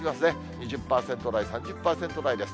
２０％台、３０％台です。